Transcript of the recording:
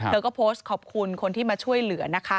เธอก็โพสต์ขอบคุณคนที่มาช่วยเหลือนะคะ